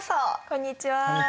こんにちは。